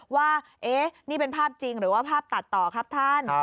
ว่านี่เป็นภาพจริงหรือว่าภาพตัดต่อครับท่าน